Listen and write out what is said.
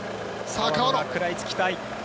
食らいつきたい。